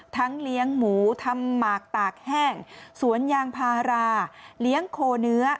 เลี้ยงหมูทำหมากตากแห้งสวนยางพาราเลี้ยงโคเนื้อ